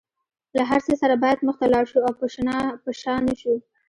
له هر څه سره باید مخ ته لاړ شو او په شا نشو.